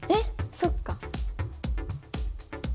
そっか。